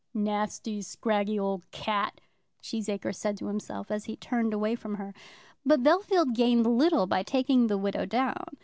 "Nasty, scraggy old cat," Cheesacre said to himself, as he turned away from her. But Bellfield gained little by taking the widow down.